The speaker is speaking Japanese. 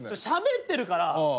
しゃべってるから。